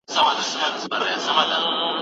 ډیپلوماټانو به د سولي لپاره هڅي کولې.